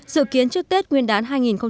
dự kiến trước tết nguyên đán hai nghìn một mươi tám